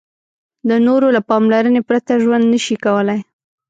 د نورو له پاملرنې پرته ژوند نشي کولای.